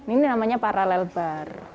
ini namanya paralel bar